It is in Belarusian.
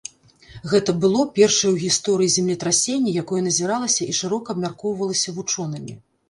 Гэта было першае ў гісторыі землетрасенне, якое назіралася і шырока абмяркоўвалася вучонымі.